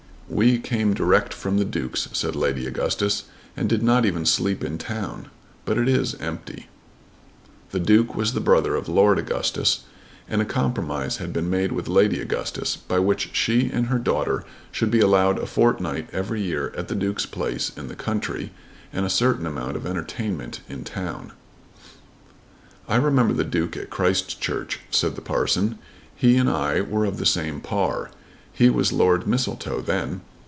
"We came direct from the Duke's," said Lady Augustus, "and did not even sleep in town; but it is empty." The Duke was the brother of Lord Augustus, and a compromise had been made with Lady Augustus, by which she and her daughter should be allowed a fortnight every year at the Duke's place in the country, and a certain amount of entertainment in town. "I remember the Duke at Christchurch," said the parson. "He and I were of the same par. He was Lord Mistletoe then.